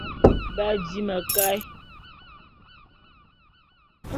B'adi mekaé.